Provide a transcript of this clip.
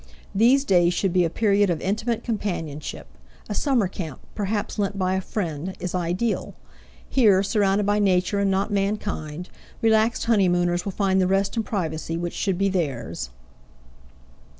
These days should be a period of intimate companionship; a summer camp, perhaps lent by a friend, is ideal. Here, surrounded by nature and not mankind, relaxed honeymooners will find the rest and privacy which should be theirs.